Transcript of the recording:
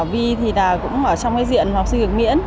vi thì là cũng ở trong cái diện mà học sinh được miễn